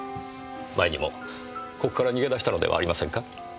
前にもここから逃げ出したのではありませんか？